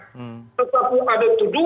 tetapi ada tuduhan